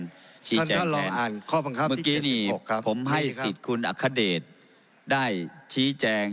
ท่านท่านรองอ่านข้อบังคับที่เจ็ดสิบหกครับเมื่อกี้นี้ผมให้สิทธิ์คุณอัคเดชได้ชี้แจง